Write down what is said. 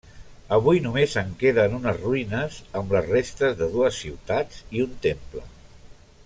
Avui només en queden unes ruïnes amb les restes de dues ciutats i un temple.